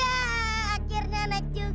ya akhirnya naik juga